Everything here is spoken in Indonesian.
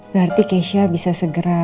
berarti keisha bisa segera